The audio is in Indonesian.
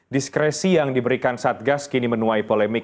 diskresi yang diberikan satgas kini menuai polemik